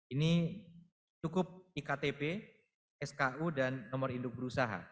ini cukup iktp sku dan nomor induk berusaha